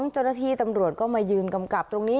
เจ้าหน้าที่ตำรวจก็มายืนกำกับตรงนี้